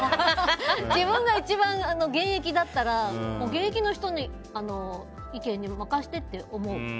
自分が一番現役だったら現役の人の意見に任せてって思う。